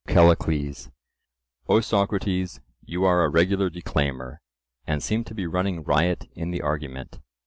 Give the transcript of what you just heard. CALLICLES: O Socrates, you are a regular declaimer, and seem to be running riot in the argument.